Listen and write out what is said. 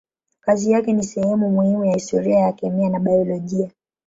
Kazi yake ni sehemu muhimu ya historia ya kemia na biolojia.